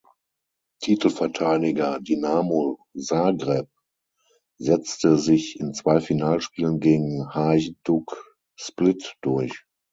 Titelverteidiger Dinamo Zagreb setzte sich in zwei Finalspielen gegen Hajduk Split durch.